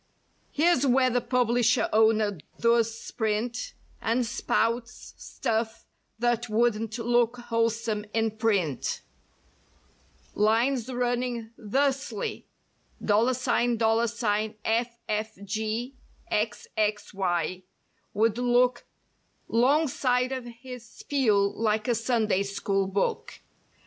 Here's where the publisher owner does sprint And spouts stuff that wouldn't look wholesome in print. Lines running thusly: $$ffgxxy would look 'Long side of his spiel like a Sunday school book.